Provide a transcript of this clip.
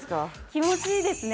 気持ちいいですね